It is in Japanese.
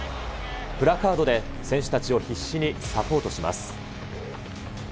プラカードで選手たちを必死にサポートします。